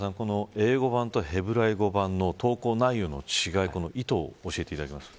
英語版とヘブライ語版の投稿内容の違い、意図を教えていただけますか。